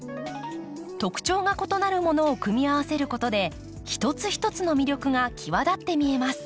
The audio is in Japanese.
特徴が異なるものを組み合わせることで一つ一つの魅力がきわだって見えます。